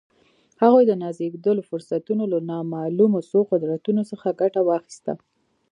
هغوی د نازېږېدلو فرصتونو له ناملموسو قدرتونو څخه ګټه واخیسته